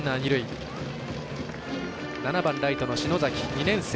７番ライトの篠崎、２年生。